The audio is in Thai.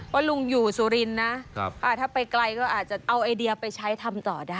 ว่าลุงอยู่สุรินทร์นะถ้าไปไกลก็อาจจะเอาไอเดียไปใช้ทำต่อได้